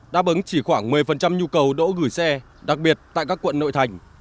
đáp ứng chỉ khoảng một mươi nhu cầu đỗ gửi xe đặc biệt tại các quận nội thành